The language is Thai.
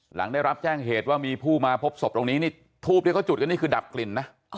หลังได้รับแจ้งเหตุว่ามีผู้มาพบสบตรงนี้ทูปเรียกว่าจุดกันคือดับกลิ่นนะ